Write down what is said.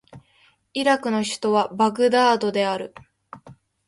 イラクの首都はバグダードである